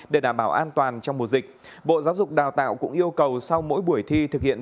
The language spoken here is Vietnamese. để đảm bảo an toàn trong mùa dịch bộ giáo dục đào tạo cũng yêu cầu sau mỗi buổi thi thực hiện